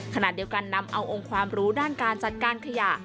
ขณะเดียวกันนำเอาองค์ความรู้ด้านการจัดการขยะ